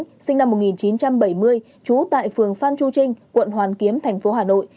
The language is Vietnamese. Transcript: nguyễn thị thanh thủy sinh năm một nghìn chín trăm bảy mươi trú tại phường phan chu trinh quận hoàn kiếm tp hà nội